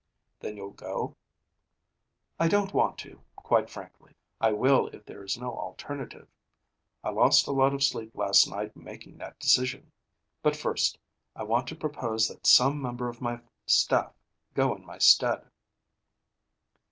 "Then you'll go?" "I don't want to, quite frankly. I will if there is no alternative. I lost a lot of sleep last night making that decision. But first, I want to propose that some member of my staff go in my stead."